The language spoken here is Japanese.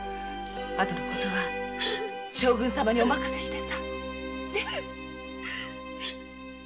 あとの事は将軍様にお任せしてさ。